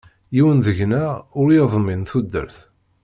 Yiwen deg-neɣ ur yeḍmin tudert.